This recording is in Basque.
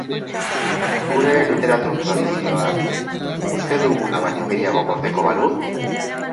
Gure literatur tradizioak uste duguna baino gehiago gordeko balu?